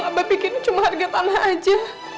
abah pikir cuma harga tanah aja